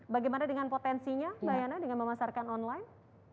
bagaimana dengan potensinya mbak yana dengan memasarkan online